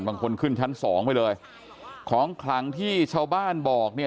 บางคนขึ้นชั้นสองไปเลยของขลังที่ชาวบ้านบอกเนี่ย